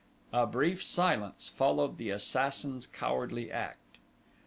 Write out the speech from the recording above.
A brief silence followed the assassin's cowardly act.